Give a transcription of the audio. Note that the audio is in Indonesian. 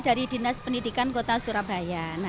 dari dinas pendidikan kota surabaya